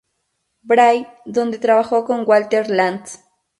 Bray, donde trabajó con Walter Lantz.